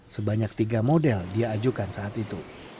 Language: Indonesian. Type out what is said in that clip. sebanyak tiga model dia ajukan saat itu